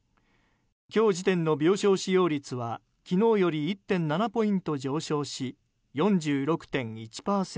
今日時点の病床使用率は昨日より１．７ポイント上昇し４６．１％。